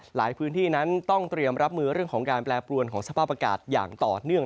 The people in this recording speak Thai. หลายพื้นที่นั้นต้องเตรียมรับมือเรื่องของการแปรปรวนของสภาพอากาศอย่างต่อเนื่อง